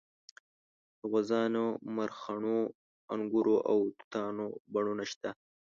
د غوزانو مرخڼو انګورو او توتانو بڼونه شته.